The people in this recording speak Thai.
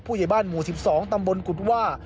ผู้ใหญ่บ้านหมู่๑๒ตำบลกุฎว่า